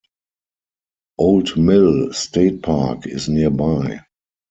Old Mill State Park is nearby.